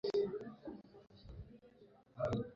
Nuko bishimira ko ituze rigarutse